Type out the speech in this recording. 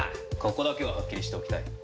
ここだけははっきりしておきたい。